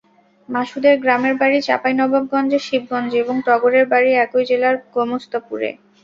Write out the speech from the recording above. মাসুদের গ্রামের বাড়ি চাঁপাইনবাবগঞ্জের শিবগঞ্জে এবং টগরের বাড়ি একই জেলার গোমস্তাপুরে।